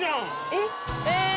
えっ！